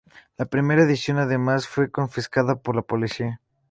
La primera edición, además, fue confiscada por la policía.